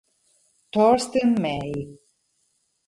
Torsten May